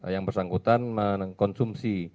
yang bersangkutan mengkonsumsi